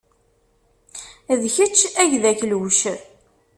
D kečč ay d akluc.